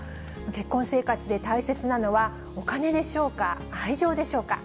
結婚生活で大切なのは、お金でしょうか、愛情でしょうか。